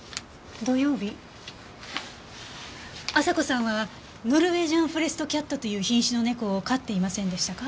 土曜日亜沙子さんはノルウェージャンフォレストキャットという品種の猫を飼っていませんでしたか？